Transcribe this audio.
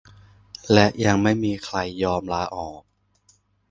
และยังไม่มีใครยอมลาออก